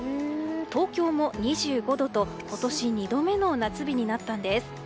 東京も２５度と今年２度目の夏日となったんです。